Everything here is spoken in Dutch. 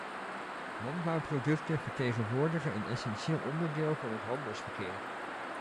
Landbouwproducten vertegenwoordigen een essentieel onderdeel van het handelsverkeer.